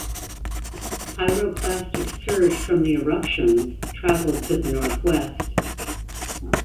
Pyroclastic surge from the eruptions traveled to the northwest.